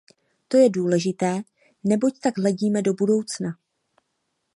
To je důležité, neboť tak hledíme do budoucna.